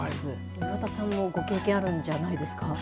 岩田さんもご経験あるんじゃないですか。